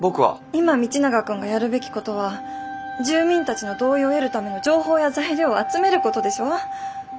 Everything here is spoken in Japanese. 今道永君がやるべきことは住民たちの同意を得るための情報や材料を集めることでしょ？